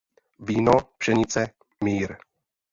Víno, pšenice, mír!